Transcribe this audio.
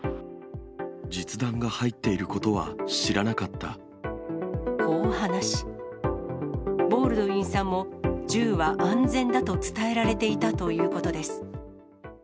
実弾が入っていることは知らこう話し、ボールドウィンさんも銃は安全だと伝えられていたということです。